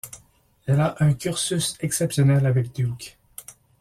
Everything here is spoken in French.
Elle a un cursus exceptionnel avec Duke.